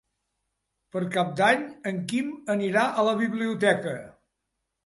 Per Cap d'Any en Quim anirà a la biblioteca.